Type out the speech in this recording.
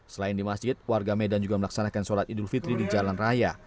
selain di masjid warga medan juga melaksanakan sholat idul fitri di jalan raya